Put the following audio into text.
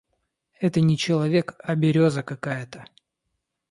Это не человек а берёза какая то!